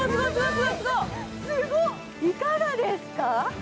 いかがですか？